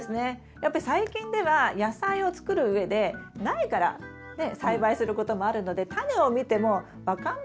やっぱり最近では野菜をつくるうえで苗から栽培することもあるのでタネを見ても分かんないこと多いですよね。